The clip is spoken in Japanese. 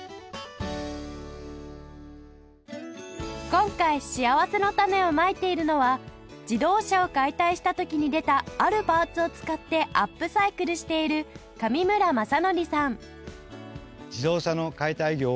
今回しあわせのたねをまいているのは自動車を解体した時に出たあるパーツを使ってアップサイクルしている上村正則さん